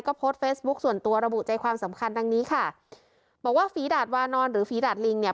ก็โพสต์เฟซบุ๊คส่วนตัวระบุใจความสำคัญดังนี้ค่ะบอกว่าฝีดาดวานอนหรือฝีดาดลิงเนี่ย